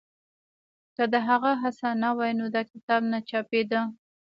که د هغه هڅه نه وای نو دا کتاب نه چاپېده.